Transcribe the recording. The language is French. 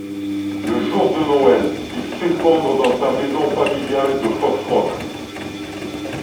Le jour de Noël, il s'effondre dans sa maison familiale de Foxrock.